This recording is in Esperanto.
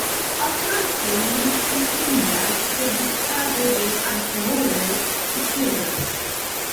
Aparte menciindas produktado de alkoholoj, sukeroj.